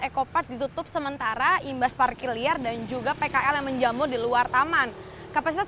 ekopat ditutup sementara imbas parkir liar dan juga pkl yang menjamur di luar taman kapasitas